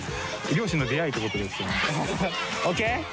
両親の出会いってことですよね。